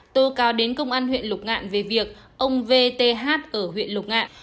tô cao đến công an huyện lục ngạn về việc ông v t h ở huyện lục ngạn